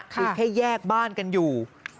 คือแค่แยกบ้านกันอยู่